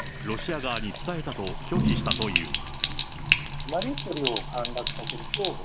ロシア側に伝えたと拒否したという。